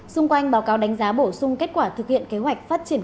xung quanh báo cáo đánh giá bổ sung kết quả thực hiện kế hoạch phát triển